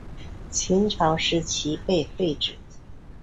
秦朝时期被废止。